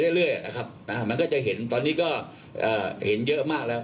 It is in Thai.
เรื่อยนะครับมันก็จะเห็นตอนนี้ก็เห็นเยอะมากแล้ว